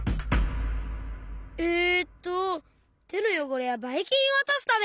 えっとてのよごれやバイキンをおとすため！